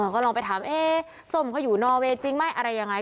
ก็ลองไปถามส้มเขาอยู่นอเวย์จริงไหมอะไรยังไง